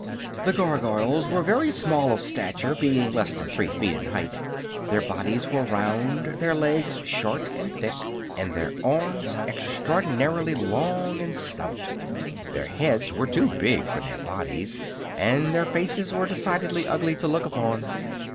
The Gargoyles were very small of stature, being less than three feet in height. Their bodies were round, their legs short and thick and their arms extraordinarily long and stout. Their heads were too big for their bodies and their faces were decidedly ugly to look upon.